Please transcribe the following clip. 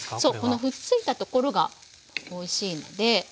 このくっついたところがおいしいのではい。